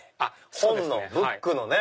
本のブックのね。